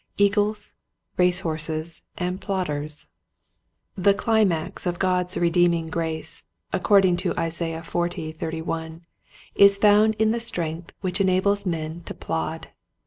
Eagles y Race horses and Plodders, The climax of God's redeeming grace, according to Isaiah xl., 31, is found in the strength which enables men to plod.